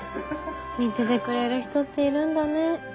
見ててくれる人っているんだね。